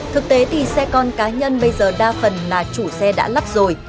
thực tế thì xe con cá nhân bây giờ đa phần là chủ xe đã lắp rồi